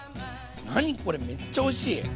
何これめっちゃおいしい！